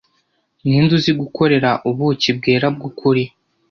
ninde uzi gukorera ubuki bwera bwukuri